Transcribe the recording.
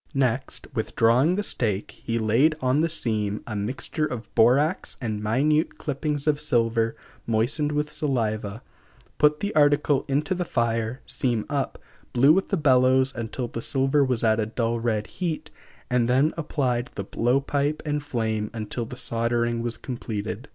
Next, withdrawing the stake, he laid on the seam a mixture of borax and minute clippings of silver moistened with saliva, put the article into the fire, seam up, blew with the bellows until the silver was at a dull red heat, and then applied the blow pipe and flame until the soldering was completed.